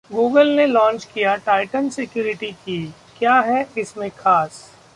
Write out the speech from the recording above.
Google ने launch किया Titan Security Key, क्या है इसमें खास